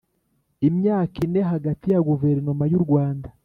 imyaka ine hagati ya Guverinoma y u Rwanda